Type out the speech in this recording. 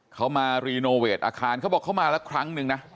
เขามารีโนเวทอาคารเขาบอกเขามาละครั้งนึงนะ